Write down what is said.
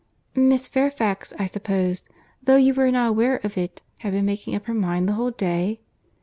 "Miss Fairfax, I suppose, though you were not aware of it, had been making up her mind the whole day?"